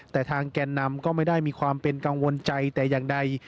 แต่ทางแก่นนำก็ไม่ได้มีความเป็นกังวลใจแต่อย่างใด